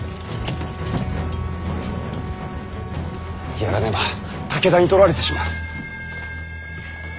やらねば武田に取られてしまう。